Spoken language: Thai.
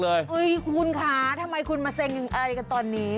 เฮ้ยคุณคะทำไมคุณมาเซ็งอะไรกันตอนนี้